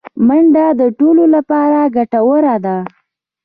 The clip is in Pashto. منډه د ټولو لپاره ګټوره ده